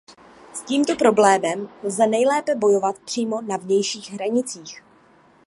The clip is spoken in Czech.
S tímto problémem lze nejlépe bojovat přímo na vnějších hranicích.